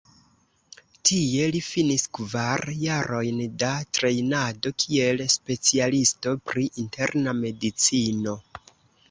Tie li finis kvar jarojn da trejnado kiel specialisto pri interna medicino.